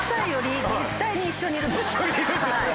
一緒にいるんですね！